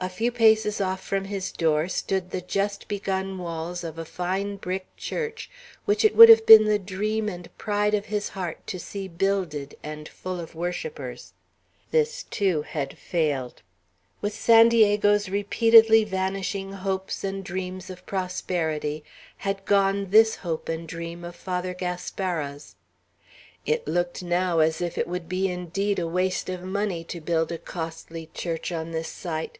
A few paces off from his door stood the just begun walls of a fine brick church, which it had been the dream and pride of his heart to see builded, and full of worshippers. This, too, had failed. With San Diego's repeatedly vanishing hopes and dreams of prosperity had gone this hope and dream of Father Gaspara's. It looked, now, as if it would be indeed a waste of money to build a costly church on this site.